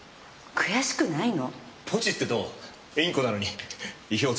悔しくないの？